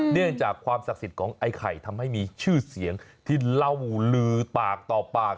เนื่องจากความศักดิ์สิทธิ์ของไอ้ไข่ทำให้มีชื่อเสียงที่เล่าลือปากต่อปาก